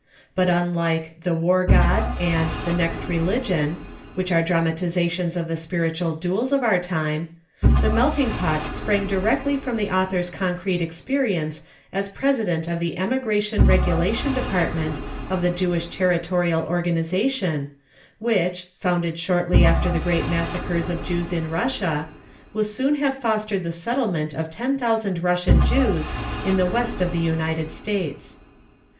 But unlike The War God and The Next Religion, which are dramatisations of the spiritual duels of our time, The Melting Pot sprang directly from the author's concrete experience as President of the Emigration Regulation Department of the Jewish Territorial Organisation, which, founded shortly after the great massacres of Jews in Russia, will soon have fostered the settlement of ten thousand Russian Jews in the West of the United States.